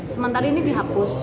sementara ini dihapus